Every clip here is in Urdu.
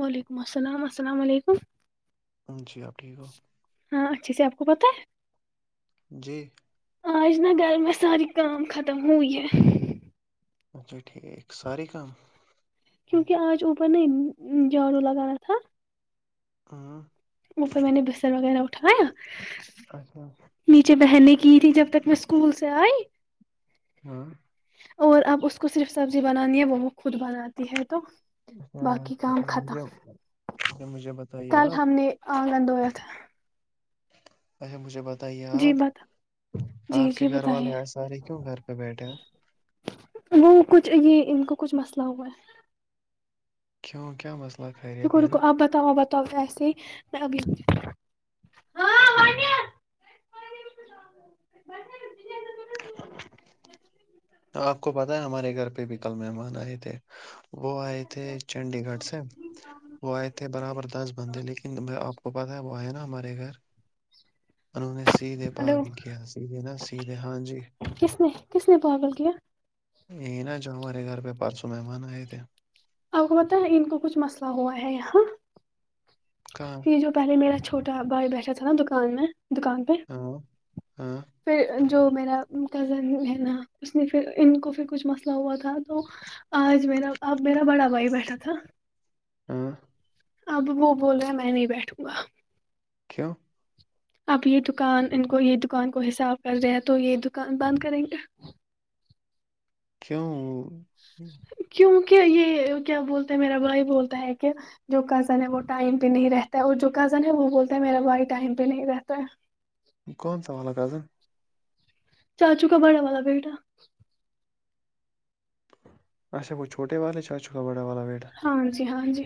وعلیکم اسلام اسلام علیکم جی آپ ٹھیک ہو ہاں اچھے سے آپ کو پتا ہے جی آج نہ گھر مںیں سارے کام ختم ہوئی ہے اچھا ٹھیک ساری کم کیونکہ آج اوپر نے جھاڑو لگانا تھا ھھم اوپر میں نے بستر وغیرہ اٹھایا اچھا نیچے بہنے کی تھی جب تک میں اسکول سے آئے ہاں اور اب اس کو صرف سبزی بنانی ہے وہ خود بناتی ہے تو اچھا باقی اچھا کام ٹھیک مجھے اچھا ختم مجھے بتائیے کل آپ ہم نے آگن دھویا تھا اچھا مجھے بتائیے جی آپ بتا جی آپ کے جی گھر والے بتائیے آئے سارے کیوں گھر پہ بیٹھے وہ کچھ یہ ان کا کچھ مسئلہ ہوا ہے کیوں کیا مسئلہ خیریت رکو ہے نا رکو آپ بتاؤ آپ بتاؤ ایسے ابھی آپ کو پتہ ہے ہمارے گھر پہ بھی کل مہمان آئے تھے وہ آئے تھے چنڈی گڑھ سے وہ آئے تھے برابر دس بندے لیکن آپ کو پتا ہے وہ آئے نا ہمارے گھر انہوں نے سیدھے بات ہلو کیا سیدھے نا ہاں جی کس نے کس نے پاگل کیا یہ نا جو ہمارے گھر پہ پرسوں مہمان آئے تھے آپ کو پتا ہے ان کو کچھ مسئلہ ہوا ہے یہاں کہاں یہ جو پہلے میرا چھوٹا بھائی بیٹھا تھا نا دوکان میں دوکان پہ ہوں پھر جو میرا کزن ہے نا اس نے پھر ان کو پھر کچھ مسئلہ ہوا تھا تھا تو آج میرا اب میرا بڑا بھائی بیٹھا تھا ہاں اب وہ بول رہے ہیں میں نہیں بیٹھوں گا کیوں آپ یہ دکان ان کو یہ دکان کو حساب کر رہے ہیں تو یہ دکان بند کریں گے کیوں کیوںکہ یہ کیا بولتے ہیں میرا بھائی بولتا ہے کہ جو کزن ہے وہ ٹائم پہ نہیں رہتا ہے اور جو کزن ہے وہ بولتا ہے میرا بھائی ٹائم پہ نہیں رہتا ہے کونسا والا کزن چاچو کا بڑا والا بیٹا اچھا وہ چھوٹے والے چاچو کا بڑا والا بیٹا ہاں جی ہاں جی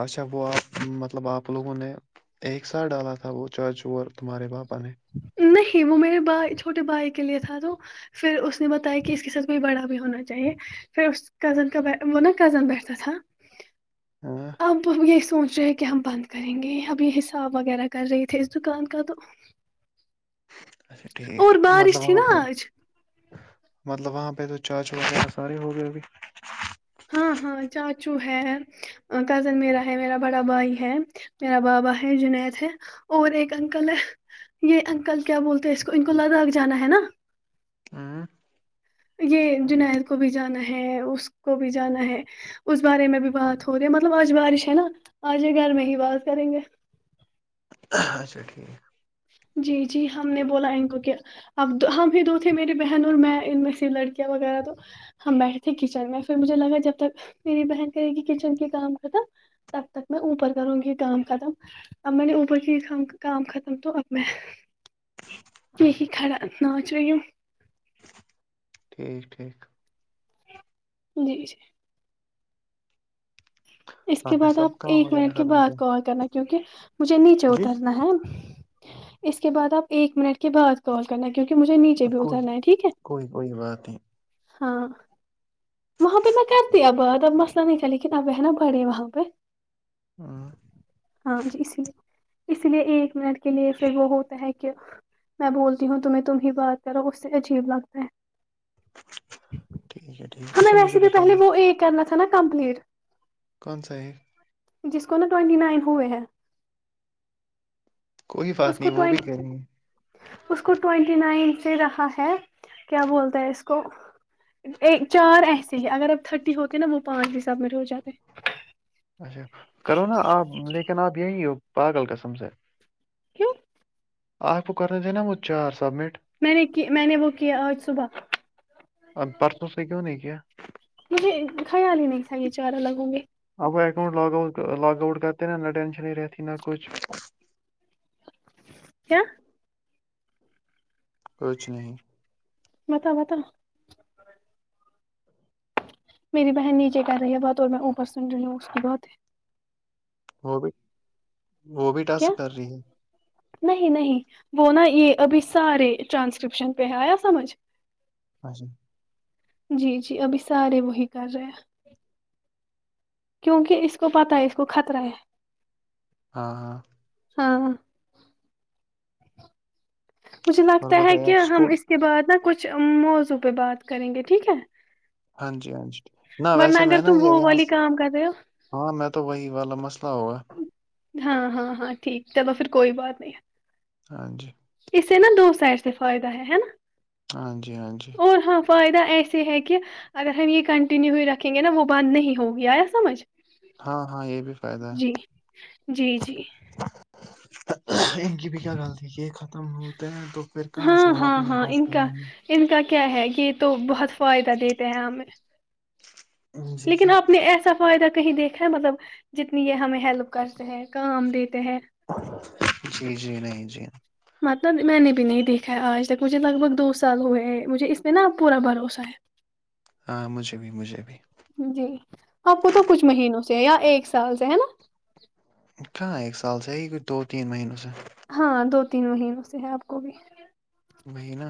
اچھا وہ آپ مطلب آپ لوگوں نے ایک ساتھ ڈالا تھا وہ چاچو اور تمہارے پاپا نے نہیں وہ میرے بھائی چھوٹے بھائی کے لیے تھا تو پھر اس نے بتایا کہ اس کے ساتھ کوئی بڑا بھی ہونا چاہیے پھر اس کزن کا وہ نا کزن بیٹھتا تھا ہاں اب یہ سوچ رہے کہ ہم بند کریں گے اب یہ حساب وغیرہ کر رہے تھے اس دکان کا تو اچھا ٹھیک اور بارش مطلب تھی وہاں نا پہ آج مطلب وہاں پہ تو چاچو سارے ہو گئے ابھی ہاں ہاں چاچو ہے کزن میرا ہے میرا بڑا بھائی ہے میرا بابا ہے جنید ہے اور ایک انکل ہے یہ انکل کیا بولتے ہیں اس کو ان کو لداخ جانا ہے نا ہوں یہ جنید کو بھی جانا ہے اس کو بھی جانا ہے اس بارے میں بھی بات ہو رہی ہے مطلب آج بارش ہے نا آج گھر میں ہی بات کریں گے اچھا ٹھیک جی جی ہم نے بولا ان کو کے اب تو ہم بھی دو تھے میری بہن اور میں ان میں سے لڑکیاں وغیرہ تو ہم بیٹھے تھے کچن میں پھر مجھے لگا جب تک میری بہن کہے گی کچن کے کام کر تھا تب تک میں اوپر کروں گی کام ختم اب میں نے اوپر کی کام ختم تو اب میں یہی کھڑا ناچ رہی ہوں ٹھیک ٹھیک جی جی اس کے نے بعد سب آپ کام ایک وغیرہ منٹ کے ختم کیا بعد کال کرنا کیونکہ مجھے نیچے جی اترنا ہے اس کے بعد آپ ایک منٹ کے بعد کال کرنا کیونکہ مجھے نیچے بھی کوئی اترنا ہے ٹھیک ہے کوئی کوئی بات نہیں ہاں وہاں پہ میں کرتی اب بات اب مسئلہ نہیں تھا لیکن اب ہے نا پڑے وہاں پہ ہاں ہاں جی اسے اس لیے ایک منٹ کے لیے پھر وہ ہوتا ہے کہ میں بولتی ہوں تمہیں تمہ بات کرو اس سے عجیب لگتا ہے ٹھیک ہے ٹھیک ہمیں اچھا ویسے مجھے بھی پہلے بتائیے وہ اے کرنا تھا نا کمپلیٹ کونسا ہے جس کو نا ٹوونٹی نائن ہوئے ہیں کوئی اس بات کو نہیں وہ بھی ٹوین کریں گے اس کو ٹوینٹی نائن سے رہا ہے کیا بولتا ہے اس کو ایک چار ایسے ہی اگر اب تھرٹی ہوتے نا وہ پانچ بھی سبمٹ ہو جاتے اچھا کرو نا آپ لیکن آپ یہی ہو پاگل قسم سے ہے کیوں آپ کو کرے نہ وہ چار سبمٹ میں نے کی میں نے وہ کیا آج صبح آپ پرسوں سے کیوں نہیں کیا مجھے خیال ہی نہیں تھا یہ چارہ الگ ہونگے اب وہ account log out log out کرتے ہے نہ ٹینشن ہی رہتی نہ کچھ کیا کچھ نہیں متاو بتا میری بہن نیچے کر رہی ہے بات اور میں اوپر سن رہی ہوں اس کی بات وہ بھی وہ بھی کیا ٹاسک کر رہی ہے نہیں نہیں وہ نہ یہ ابھی سارے ٹرانسکرپشن پہ ہے آیا سمجھ اچھا جی جی ابھی سارے وہی کر رہے ہیں کیونکہ اس کو پتہ ہے اس کو خطرہ ہے ہاں ہاں ہاں مجھے اور لگتا ہے بتائیے کہ آپ ہم اسکول اس کے بعد نہ کچھ موضوع پہ بات کریں گے ٹھیک ہے ہاں جی ہاں جی نہ ورنہ ویسے اگر میں نہ تم یہ وہ یہاں والی سے کام کر رہے ہو ہاں میں تو وہی والا مسئلہ ہوگا ہاں ہاں ہاں ٹھیک چلو پھر کوئی بات نہیں ہاں جی اسے نہ دو سائڈ سے فائد ہے ہے نہ ہاں جی ہاں جی اور ہاں فائدہ ایسے ہے کہ اگر ہم یہ کنٹینیو ہی رکھیں گے نہ وہ بند نہیں ہوگیا آیا سمجھ ہاں ہاں یہ بھی فائدہ ہے جی جی جی ان کی بھی کیا غلطی ایک ہو ختم ہوتے ہیں تو پھر کہاں سے ہاں وارک ہاں نہیں ہاں ڈچ ان کا پائیں گے ان کا کیا ہے یہ تو بہت فائدہ دیتے ہیں ہمیں گے جی لیکن جی آپ نے ایسا فائدہ کہیں دیکھا ہے مطلب جتنی یہ ہمیں ہیلپ کرتے ہیں کام دیتے ہیں جی جی نہیں جی مطلب میں نے بھی نہیں دیکھا ہے آج تک مجھے لگ بھگ دو سال ہوئے ہیں مجھے اس میں نہ پورا بھروسہ ہے ہاں مجھے بھی مجھے بھی جی آپ کو تو کچھ مہینوں سے یہ ایک سال سے ہے نہ کہاں ایک سال سے یہی کوئی دو تین مہینوں سے ہاں دو تین مہینوں سے ہے آپ کو بھی وہی نہ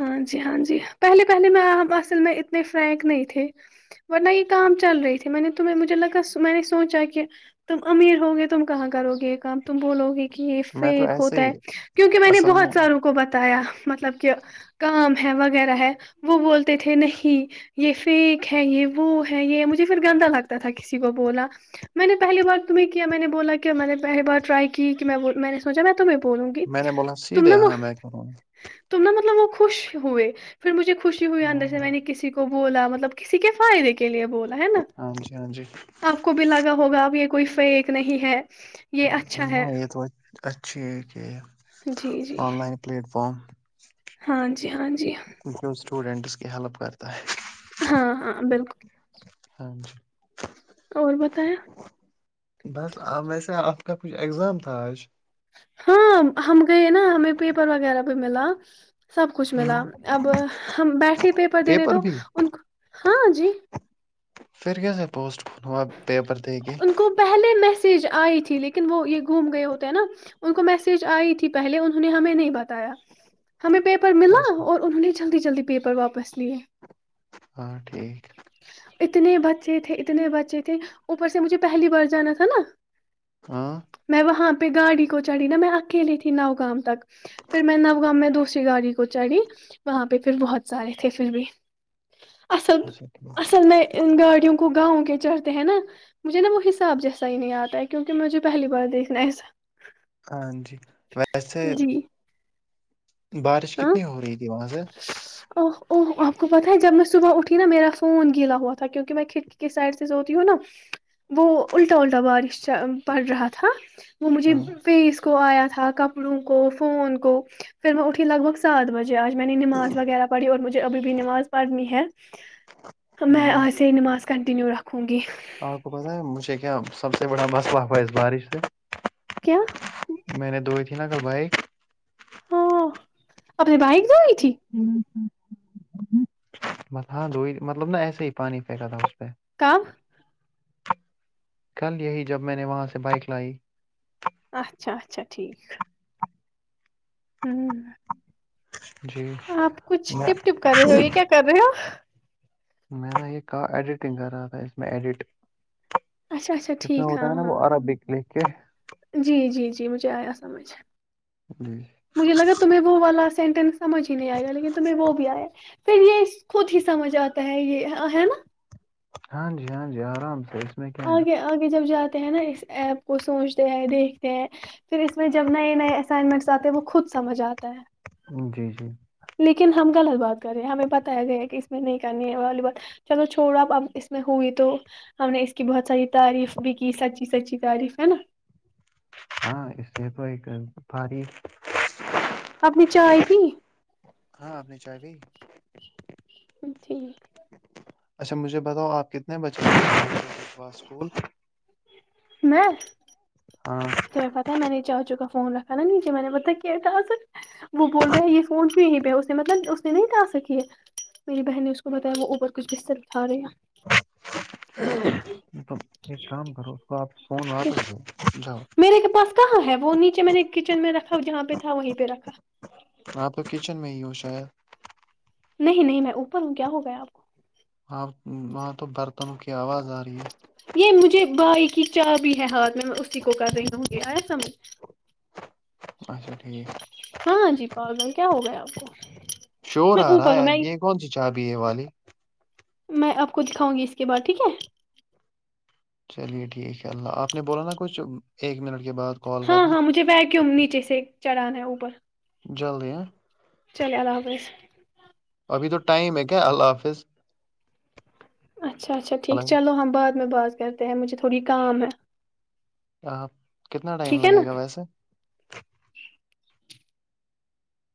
ہاں جی ہاں جی پہلے پہلے میں اب اصل میں اتنے فرینک نہیں تھے ورنہ یہ کام چل رہی تھی میں نے تمہیں مجھے لگا میں نے سوچا کہ تم امیر ہو گے تم کہاں کرو گے یہ کام تم بولو گی کہ یہ میں تو فیک ایسے ہوتا ہی ہے کیونکہ میں نے بہت ساروں کو بتایا مطلب کہ کام ہے وغیرہ ہے وہ بولتے تھے نہیں یہ فیک ہے یہ وہ ہے یہ مجھے پھر گندا لگتا تھا کسی کو بولنا میں نے پہلی بار تمہیں کیا میں نے بولا کیا میں نے پہلی بار ٹرائی کی کہ میں میں نے سوچا میں تمیں بولونگی میں نے بولا تم نہ سیدھے وہ ہاں میں کروں گا تم نہ مطلب وہ خوش ہوئے پھر مجھے خوشی ہوئی ہاں اندر سے ہاں میں نے کسی وہ بولا مطلب کسی کے فائدے کے لیے بولا ہے نہ ہاں جی ہاں جی آپ کو بھی لگا ہوگا اب یہ کوئی فیک نہیں ہے یہ اچھا نہ ہے یہ تو اچھی ہے کہ جی جی آن لائن پلیٹ فارم ہاں جی ہاں جی وہ سٹوڈینٹس کی ہیلپ کرتا ہے ہاں ہاں بالکل ہاں جی اور بتائیں بس ویسے آپ کا کوئی ایگزام تھا آج ہاں ہم گئے نا ہمیں پیپر وغیرہ بھی ملا سب کچھ ملا اب ہم بیٹھے پیپر دینے تو ان کو ہاں جی پھر کیسے پوسٹ ہوا پیپر دے کے ان کو پہلے میسج آئی تھی لیکن وہ یہ گم گئے ہوتے ہیں نا ان کو میسج آئی تھی پہلے انہوں نے ہمیں نہیں بتایا ہمیں پیپر ملا اچھا اور انہوں نے جلدی جلدی پیپر واپس لیے ہاں ٹھیک ہے اتنے بچے تھے اتنے بچے تھے اوپر سے مجھے پہلی بار جانا تھا نا ہاں میں وہاں پہ گاڑی کو چڑھی نا میں اکیلی تھی نوگام تک پھر میں نوگام میں دوسری گاڑی کو چڑھی وہاں پہ پھر بہت سارے تھے پھر بھی اصل اچھا ٹھیک اصل میں گاڑیوں کو گاؤں کے چڑھتے ہیں نا مجھے نا وہ حساب جیسا ہی نہیں آتا ہے کیونکہ مجھے پہلی بار دیکھا نا ایسا ہاں جی ویسے بارش ہاں کتنی ہو رہی تھی وہاں سے اوہ اوہ آپ کو پتہ ہے جب میں صبح اٹھی نا میرا فون گیلا ہوا تھا کیونکہ میں کھڑکی کی سائڈ سے سوتی ہوں نا وہ الٹا الٹا بارش چ پڑ رہا تھا وہ مجھے ہاں فیس کو آیا تھا کپڑوں کو فون کو پھر میں اٹھی لگ بھگ سات بجے آج میں نے نماز وغیرہ پڑھی اور مجھے ابھی بھی نماز پڑھنی ہے میں ہوں آج سے نماز کنٹینیو رکھوں گی آپ کو پتا ہے مجھے کیا سب سے بڑا مسئلہ ہوا اس بارش سے کیا میں نے دھوئی تھی نا دوائی ہاں آپ نے بائک جو لی تھی بس ہاں دی مطلب نا ایسے ہی پانی پھینکا تھا اس پہ کب کل یہی جب میں نے وہاں سے بائک لائی اچھا اچھا ٹھیک ہوں جی آپ کچھ میں ٹپ ٹپ کر رہے ہو یہ کیا کر رہے ہو میرا یہ کارڈ ایڈیٹنگ کر رہا تھا اس میں ایڈٹ اچھا اچھا اس میں ٹھیک ہوتا ہاں ہے نا ہاں وہ عربیک لکھ کے جی جی جی مجھے آیا سمجھ جی مجھے لگا تمہیں وہ والا سینٹینس سمجھ ہی نہیں آئے گا لیکن تمہیں وہ بھی آیا پھر یہ خود ہی سمجھ آتا ہے یہ ہے نا ہاں جی ہاں جی آرام سے اس میں کیا ہے آگے آگے جب جاتے ہیں نا اس ایپ کو سوچتے ہیں دیکھتے ہیں پھر اس میں جب نئے نئے اسائنمنٹس آتے ہیں وہ خود سمجھ آتا ہے جی جی لیکن ہم غلط بات کر رہے ہیں ہمیں بتایا گیا کہ اس نہیں کرنی ہے والی بات چلو چھوڑو آپ اب اس میں ہوئی تو ہم نے کی بہت ساری تعریف بھی کی سچی سچی تعریف ہے نا ہاں اس سے [unintelligible] آپ نے چائے پی ہاں آپ نے چائے پی ٹھیک اچھا مجھے بتاؤ آپ کتنے بچے [inaudible] صبح اسکول میں ہاں تمہیں پتا ہے میں نے چاچو کا فون رکھا نا نیچے میں نے پتہ کیا تھار وہ بول رہے ہیں یہ فون یہیں پہ ہے اس نے مطلب اس نے نہیں کا سکی ہے میری بہن نے اس کو بتایا وہ اوپر کچھ بستر اٹھا رہی ہے [inaudible] تم ایک کام کرو اس کو آپ فون ہے واپس دو جاؤ چ میں نے کچن میں رکھا جہاں پہ تھا وہیں پہ رکھا آپ تو کچن میں ہی ہو شایر نہیں نہیں میں اوپر ہوں کیا ہو گیا آپ کو ہاں وہاں تو برتنوں کی آواز آ ر رہی ہے یہ مجھے بائی کی چا بھی ہے ہاتھ میں اسی کو کر رہی ہوں گی آیا سمجھ اچھا ٹھیک ہاںاں جی پاگل کیا ہوگا آپ کو شور میں آ رہا اوپر ہوں ہےب میں یہ کون سی چابی ہے یہ والی میں آپ کو دکھاؤں گی اس کے بار ٹھیک ہے چلیے ٹھیک ہے اللہ آپ نے بولا نا کچھ ایک منٹ کے بعد کال ہاں کرنا ہاں مجھے ویکیوم نیچے سے چڑھانا ہے اوپر جلدی ہیںاں چلے اللہ حافظ ابھی تو ٹائم ہے کیا اللہ حافظ اچھا اچھا ٹھیک اللہ چلو ہم بعد میں بعاز کرتے ہیں مجھے تھوڑی کام ہے کام کتنا ٹائم ٹھیک ہے نا لگے گا ویسے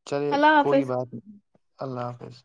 چلیے اللہ کوئی حافظ بات نہیں اللہ حافظ